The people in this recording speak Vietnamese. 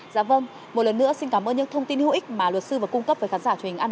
dạ vâng một lần nữa xin cảm ơn những thông tin hữu ích mà luật sư vừa cung cấp với khán giả truyền hình an